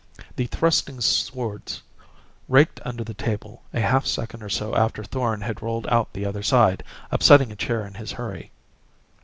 The thrusting swords raked under the table a half second or so after Thorn had rolled out the other side, upsetting a chair in his hurry.